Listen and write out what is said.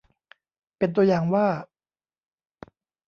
เป็นตัวอย่างว่า